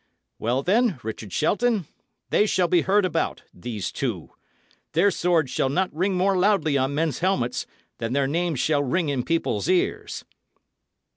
Well, then, Richard Shelton, they shall be heard about, these two! Their swords shall not ring more loudly on men's helmets than their names shall ring in people's ears."